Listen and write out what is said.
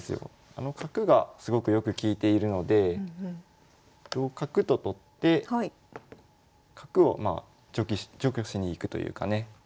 あの角がすごくよく利いているので同角と取って角を除去しに行くというかね。